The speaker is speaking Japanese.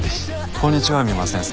こんにちは三馬先生。